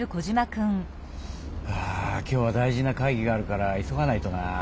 あ今日は大事な会議があるから急がないとな。